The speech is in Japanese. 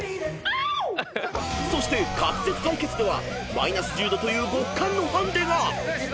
［そして滑舌対決ではマイナス１０℃という極寒のハンデが］